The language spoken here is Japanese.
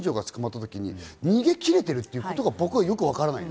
逃げ切れていることが僕はよくわからない。